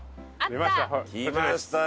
きましたよ。